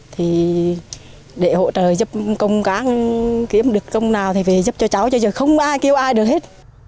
thì để hỗ trợ giúp công cán kiếm được công nào thì phải giúp cho cháu chứ giờ không ai kêu ai được hết